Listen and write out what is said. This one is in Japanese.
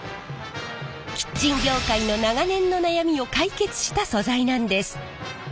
キッチン業界の長年の悩みを解決した素材なんです。